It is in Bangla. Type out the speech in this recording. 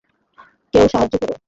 কেউ সাহায্য করো।